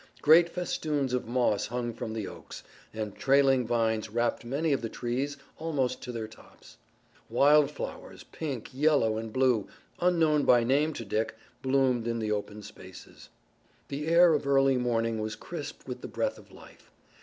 Great festoons of moss hung from the oaks, and trailing vines wrapped many of the trees almost to their tops. Wild flowers, pink, yellow and blue, unknown by name to Dick, bloomed in the open spaces. The air of early morning was crisp with the breath of life.